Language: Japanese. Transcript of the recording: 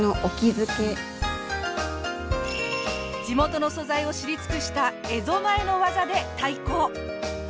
地元の素材を知り尽くした蝦夷前の技で対抗！